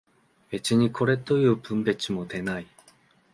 別にこれという分別も出ない